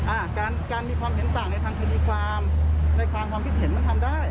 อ่าการการมีความเห็นต่างในทางคดีความในความความคิดเห็นมันทำได้